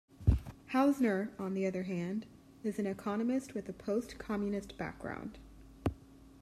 Hausner, on the other hand, is an economist with a post-communist background.